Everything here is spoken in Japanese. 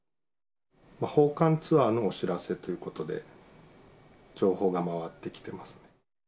訪韓ツアーのお知らせということで、情報が回ってきてますね。